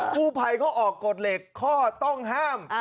กู้ภัยเขาออกกฎเหล็กข้อต้องห้าม